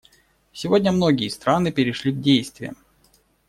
Сегодня многие страны перешли к действиям.